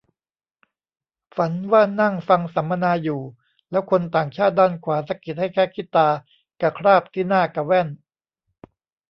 ฝันว่านั่งฟังสัมมนาอยู่ แล้วคนต่างชาติด้านขวา สะกิดให้แคะขี้ตากะคราบที่หน้ากะแว่น